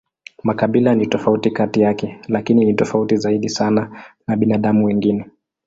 Makabila ni tofauti kati yake, lakini ni tofauti zaidi sana na binadamu wengine.